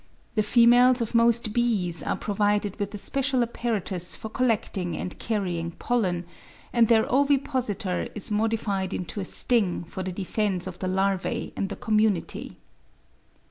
The females of most bees are provided with a special apparatus for collecting and carrying pollen, and their ovipositor is modified into a sting for the defence of the larvae and the community.